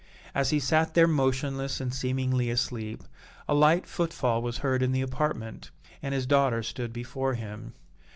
As he sat there motionless and seemingly asleep, a light footfall was heard in the apartment and his daughter stood before him.